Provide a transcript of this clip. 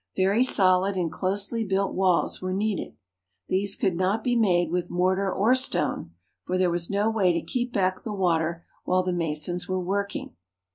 Very solid and closely built walls were needed. These could not be made with mortar or stone, for there was no way to keep back the water while the masons were working.